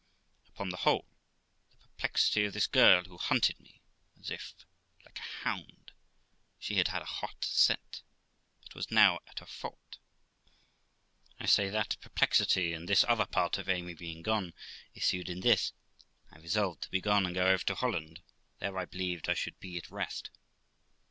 Upon the whole, the perplexity of this girl, who hunted me as if, like a hound, she had had a hot scent, but was now at a fault, I say, that perplexity, and this other part of Amy being gone, issued in this 1 resolved to be gone, and go over to Holland ; there, I believed, I should be at rest.